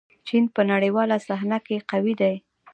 چین په نړیواله صحنه کې قوي دی.